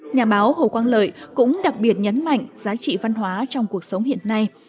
nhà báo hồ quang lợi cũng đặc biệt nhấn mạnh giá trị văn hóa trong cuộc sống hiện nay